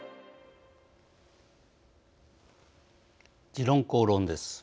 「時論公論」です。